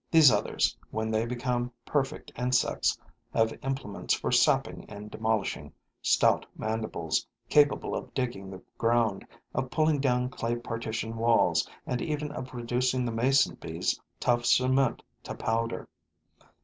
These others, when they become perfect insects, have implements for sapping and demolishing, stout mandibles, capable of digging the ground, of pulling down clay partition walls and even of reducing the mason bee's tough cement to powder.